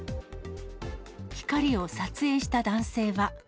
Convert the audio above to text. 光を撮影した男性は。